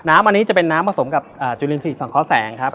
น้ำอันนี้จะเป็นน้ำผสมกับจุลินทรีย์สังเคราะห์แสงครับ